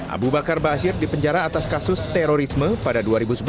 abu bakar ba'asyir dipenjara atas kasus terorisme pada dua ribu sebelas